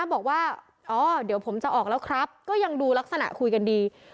บอกว่าอ๋อเดี๋ยวผมจะออกแล้วครับก็ยังดูลักษณะคุยกันดี